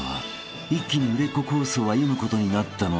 ［一気に売れっ子コースを歩むことになったのだが］